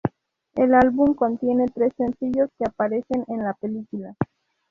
El álbum contiene tres sencillos que aparecen en la película.